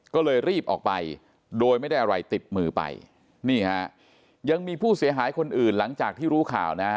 ก็เลยรีบออกไปโดยไม่ได้อะไรติดมือไปนี่ฮะยังมีผู้เสียหายคนอื่นหลังจากที่รู้ข่าวนะฮะ